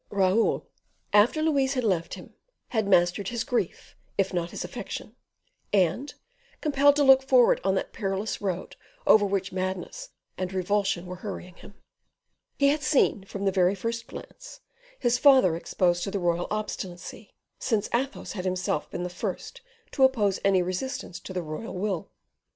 Raoul, after Louise had left him, had mastered his grief, if not his affection; and, compelled to look forward on that perilous road over which madness and revulsion were hurrying him, he had seen, from the very first glance, his father exposed to the royal obstinacy, since Athos had himself been the first to oppose any resistance to the royal will.